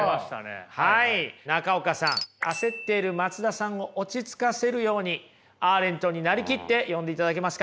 中岡さん焦っている松田さんを落ち着かせるようにアーレントに成りきって読んでいただけますか。